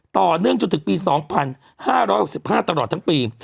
ต่อเนื่องจนถึงปี๒๕๖๕ตลอดทั้งปี